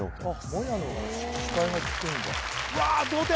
もやの方が視界がきくんだわあ同点！